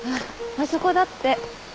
あそこだって。